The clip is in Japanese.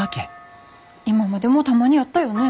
今までもたまにあったよね。